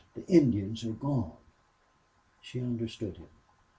The Indians are gone!" She understood him.